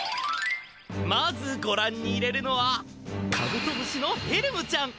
まずごらんに入れるのはカブトムシのヘルムちゃん。